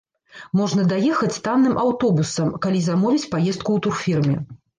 Можна даехаць танным аўтобусам, калі замовіць паездку ў турфірме.